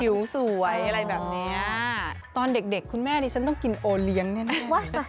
ผิวสวยอะไรแบบนี้ตอนเด็กคุณแม่นี่ฉันต้องกินโอเลี้ยงแน่